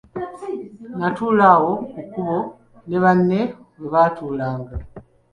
Natuula awo ku kkubo ne banne webaatuulanga.